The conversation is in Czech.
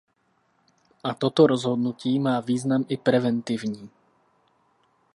A toto rozhodnutí má význam i preventivní.